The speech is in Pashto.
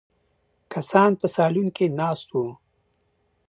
کسان په سالون کې ناست وو.